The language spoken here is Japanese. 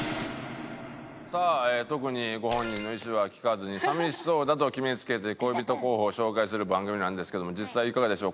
さあ特にご本人の意思は聞かずに寂しそうだと決めつけて恋人候補を紹介する番組なんですけども実際いかがでしょう？